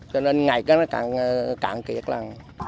cho nên ngày cái nó cạn kiệt lần